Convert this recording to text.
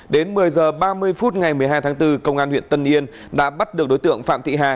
đến một mươi h ba mươi phút ngày một mươi hai tháng bốn công an huyện tân yên đã bắt được đối tượng phạm thị hà